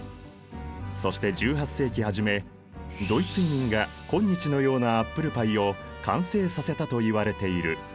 そして１８世紀初めドイツ移民が今日のようなアップルパイを完成させたといわれている。